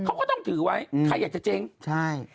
เขาก็ต้องถือไว้ใครอยากจะเจ๊งใช่